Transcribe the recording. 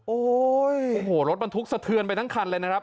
โอ้โหรถบรรทุกสะเทือนไปทั้งคันเลยนะครับ